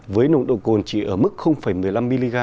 với nồng độ cồn chỉ ở mức một mươi năm mg